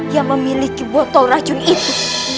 yang memiliki botol racun itu